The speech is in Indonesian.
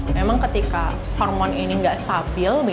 memang ketika hormon ini nggak stabil